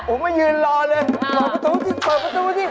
อุ๊ยไม่ยืนรอเลยปล่อยประตูสิเปิดประตูสิ